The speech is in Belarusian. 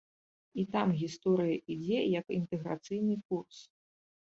І там гісторыя ідзе як інтэграцыйны курс.